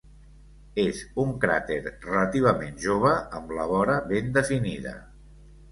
És un cràter relativament jove amb la vora ben definida.